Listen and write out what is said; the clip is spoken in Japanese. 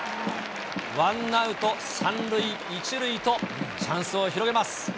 ワンアウト３塁１塁と、チャンスを広げます。